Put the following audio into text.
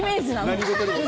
何事にも。